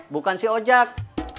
bukan si ojak